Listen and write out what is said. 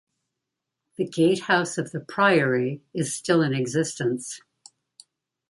The gatehouse of the priory is still in existence.